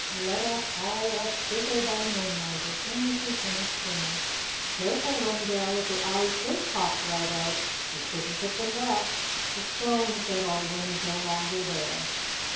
Let us hie us thither by moonlight as soon as we finish dinner. Careful, Wendell; if your eyes should pop right out, you couldn't put them back." "The stone," said Alden, "is no longer there."